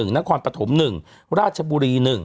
นักความปฐม๑ราชบุรี๑